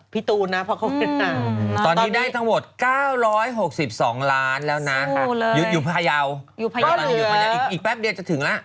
พี่ตูนนะตอนนี้ได้ทั้งหมด๙๖๒ล้านแล้วนะอยู่พยาวอีกแป๊บเดียวจะถึงแล้ว